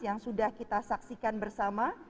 yang sudah kita saksikan bersama